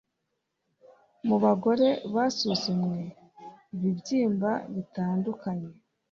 Mu bagore basuzumwe ibibyimba bitandukanye